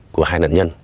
của hai nạn nhân